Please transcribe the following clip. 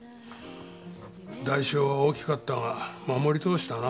代償は大きかったが守りとおしたな。